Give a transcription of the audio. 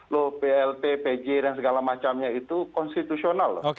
loh plt pj dan segala macamnya itu konstitusional loh